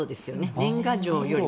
年賀状よりも。